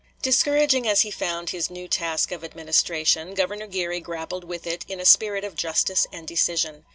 Discouraging as he found his new task of administration, Governor Geary grappled with it in a spirit of justice and decision.